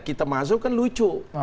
kita masuk kan lucu